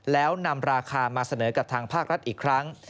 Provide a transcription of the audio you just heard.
แล้วนำราคามาเสนอกับทางภาครัฐอีกครั้ง